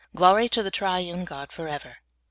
Glory to the Triune God forever !